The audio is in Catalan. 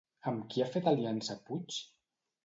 Amb qui ha fet aliança Puig?